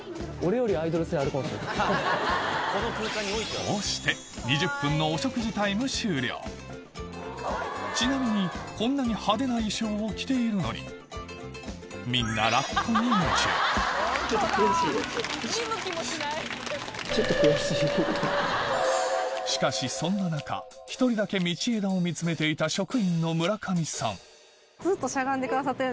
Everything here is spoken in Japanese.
こうしてちなみにこんなに派手な衣装を着ているのにしかしそんな中１人だけ道枝を見つめていた職員の村上さん